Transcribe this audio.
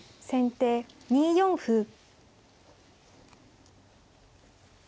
先手２四歩。